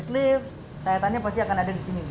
facelift sayatannya pasti akan ada disini nih